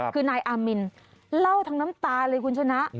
คือนายอามินเล่าทั้งน้ำตาเลยคุณชนะ